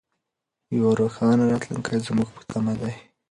یو روښانه راتلونکی زموږ په تمه دی.